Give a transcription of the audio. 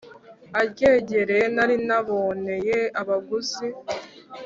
aryegereye nari nayaboneye abaguzi